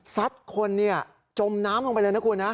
สัดคนจมน้ำลงไปเลยนะคุณ